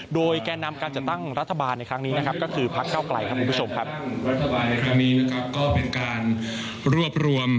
โดยแก่นำการจัดตั้งรัฐบาลในครั้งนี้นะครับก็คือพักเก้าไกลครับคุณผู้ชมครับ